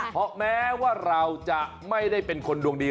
เพราะแม้ว่าเราจะไม่ได้เป็นคนดวงดี